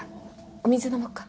お水飲もっか。